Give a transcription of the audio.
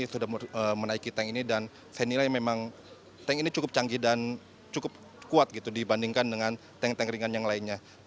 sudah menaiki tank ini dan saya nilai memang tank ini cukup canggih dan cukup kuat gitu dibandingkan dengan tank tank ringan yang lainnya